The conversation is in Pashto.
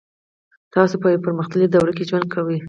تاسو په یوه پرمختللې دوره کې ژوند کوئ